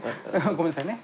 ごめんなさいね。